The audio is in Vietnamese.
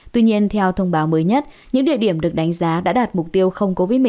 tuy nhiên theo thông báo mới nhất những địa điểm được đánh giá đã đạt mục tiêu không covid một mươi chín